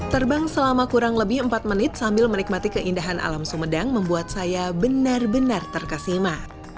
terbang selama kurang lebih empat menit sambil menikmati keindahan alam sumedang membuat saya benar benar terkesima